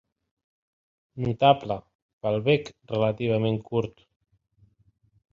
Notable pel bec relativament curt.